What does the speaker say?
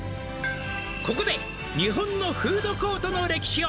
「ここで日本のフードコートの歴史を」